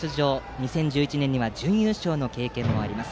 ２０１１年には準優勝の経験もあります。